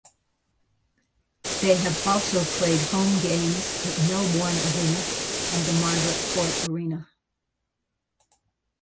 They have also played home games at Melbourne Arena and the Margaret Court Arena.